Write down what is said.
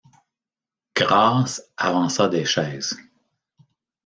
Grâce avança des chaises.